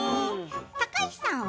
高石さんは？